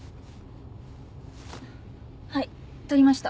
はい取りました。